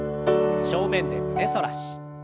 正面で胸反らし。